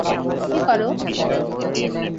কী করো?